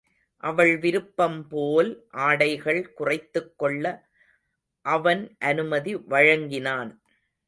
அவள் விருப்பம்போல் ஆடைகள் குறைத்துக் கொள்ள அவன் அனுமதி வழங்கினான்.